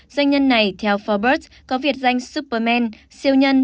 doanh nhân này theo forbes có việt danh superman siêu nhân